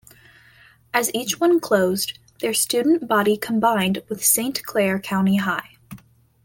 As each one closed, their student body combined with Saint Clair County High.